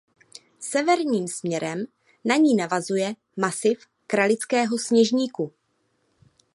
Severním směrem na ní navazuje masiv Králického Sněžníku.